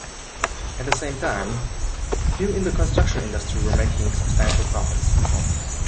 At the same time, few in the construction industry were making substantial profits.